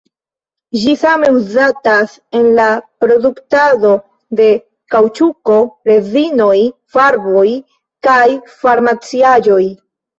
Ĝi same uzatas en la produktado de kaŭĉuko, rezinoj, farboj kaj farmaciaĵoj.